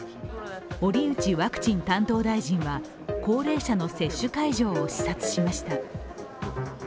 堀内ワクチン担当大臣は高齢者の接種会場を視察しました。